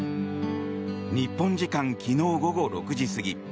日本時間昨日午後６時過ぎ